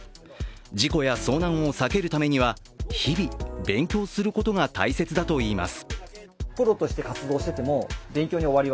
事故や遭難を避けるためには、日々勉強することが大切だといいます。